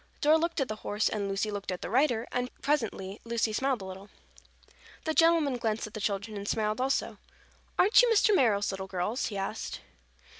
Dora looked at the horse and Lucy looked at the rider and presently Lucy smiled a little. The gentleman glanced at the children and smiled also. "Aren't you Mr. Merrill's little girls?" he asked.